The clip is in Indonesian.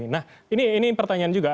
nah ini pertanyaan juga